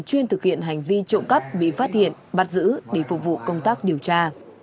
chuyên thực hiện hành vi trộm cắp bị phát hiện bắt giữ để phục vụ công tác điều tra